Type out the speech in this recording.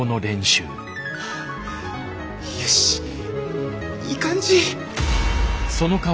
よしいい感じ。